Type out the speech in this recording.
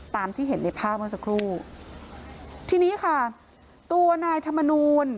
ตามที่เห็นในภาพเมื่อสักครู่ทีนี้ค่ะตัวนายธรรมนูล